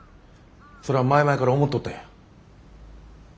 それは前々から思とったんや。